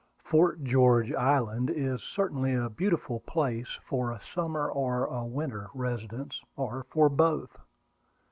Fort George Island is certainly a beautiful place for a summer or a winter residence, or for both.